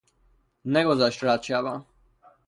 نگذاشت رد شوم